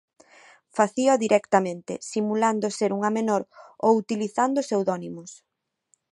Facíao directamente, simulando ser unha menor ou utilizando pseudónimos.